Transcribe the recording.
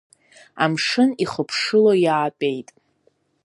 Амшын ихыԥшыло иаатәеит.